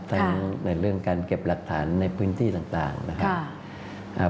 ในเรื่องการเก็บหลักฐานในพื้นที่ต่างนะครับ